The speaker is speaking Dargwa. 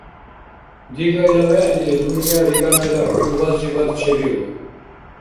Дигайла вегӀли дунъя риганайла хӀулбазибад чебиу